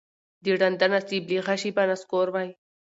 د ړانده نصیب له غشي به نسکور وای